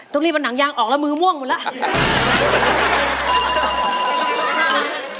ตรงนี้มันหนังยางออกแล้วมือม่วงหมดแล้ว